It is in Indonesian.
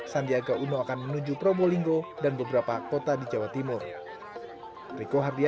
sandiaga uno akan menuju probolinggo dan beberapa kota di jawa timur